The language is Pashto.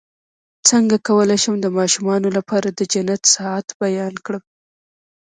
څنګه کولی شم د ماشومانو لپاره د جنت ساعت بیان کړم